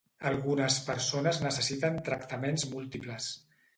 Algunes persones necessiten tractaments múltiples.